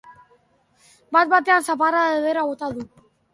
Bat-batean, zaparrada ederra bota du.